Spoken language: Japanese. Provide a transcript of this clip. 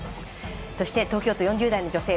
そして東京都４０代の女性。